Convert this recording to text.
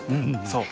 そう。